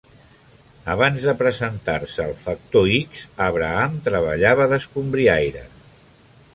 Abans de presentar-se al "Factor X", Abraham treballava d'escombriaire.